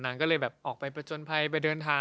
นางก็เลยแบบออกไปประจนภัยไปเดินทาง